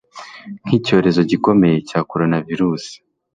nk'icyorezo gikomeye cya coronavirusi